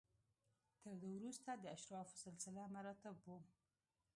تر ده وروسته د اشرافو سلسله مراتب و